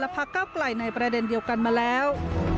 และพักก้าวกลายในแบรนเดียวกันมาแล้ว